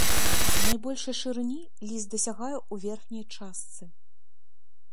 Найбольшай шырыні ліст дасягае ў верхняй частцы.